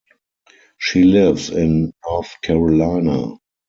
She lives in North Carolina.